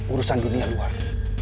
urusan dunia luar